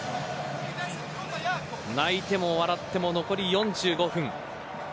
泣いても笑っても残り４５分。